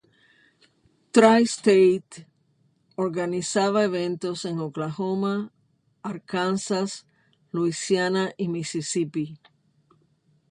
Tri-State organizaba eventos en Oklahoma, Arkansas, Luisiana y Mississippi.